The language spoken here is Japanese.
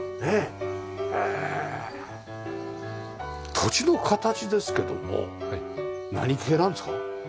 土地の形ですけども何形なんですか？